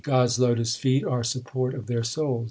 God s lotus feet are the support of their souls.